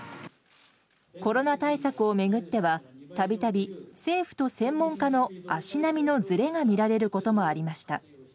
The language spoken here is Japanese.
コロナ対策を巡っては、たびたび政府と専門家の足並みのずれが見られることもありました。